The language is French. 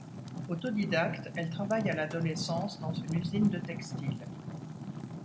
Autodidacte, elle travaille à l'adolescence dans une usine de textile.